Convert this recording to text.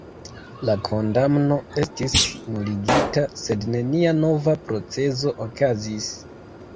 La kondamno estis nuligita, sed nenia nova procezo okazis.